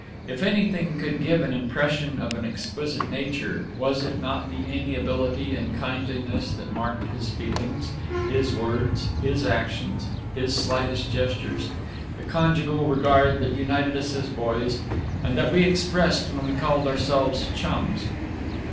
If anything could give an impression of an exquisite nature, was it not the amiability and kindliness that marked his feelings, his words, his actions, his slightest gestures, the conjugal regard that united us as boys, and that we expressed when we called ourselves chums?